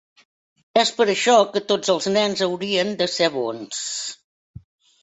És per això que tots els nens haurien de ser bons.